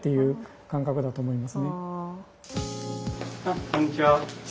あっこんにちは。